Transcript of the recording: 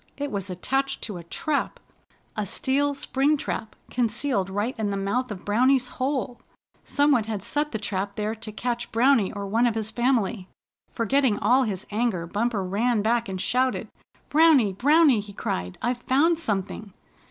It was attached to a trap, a steel spring trap, concealed right in the mouth of Browny's hole. Some one had set the trap there to catch Browny or one of his family. Forgetting all his anger, Bumper ran back, and shouted. "Browny! Browny!" he cried. "I've found something!"